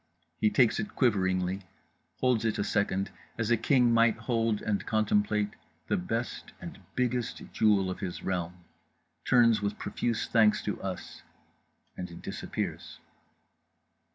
He takes it quiveringly, holds it a second as a king might hold and contemplate the best and biggest jewel of his realm, turns with profuse thanks to us—and disappears….